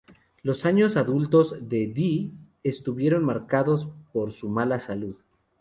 Los años adultos de Dee estuvieron marcados por su mala salud.